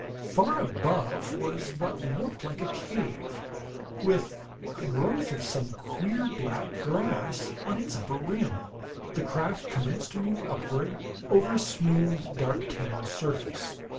Far above was what looked like a cave, with a growth of some queer, black grass on its upper rim. The craft commenced to move upward, over a smooth, dark tan surface.